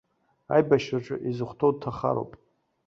Аибашьраҿы изыхәҭоу дҭахароуп!